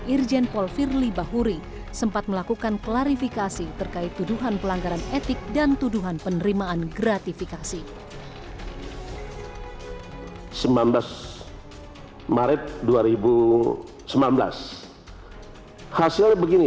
irjen paul firly bahuri sempat melakukan klarifikasi terkait tuduhan pelanggaran etik dan tuduhan penerimaan gratifikasi